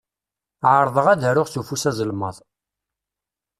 Ԑerḍeɣ ad aruɣ s ufus azelmaḍ.